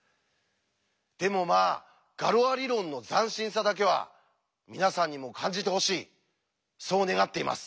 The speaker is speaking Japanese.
でもまあガロア理論の斬新さだけは皆さんにも感じてほしいそう願っています。